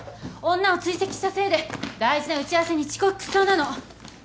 女を追跡したせいで大事な打ち合わせに遅刻しそうなの。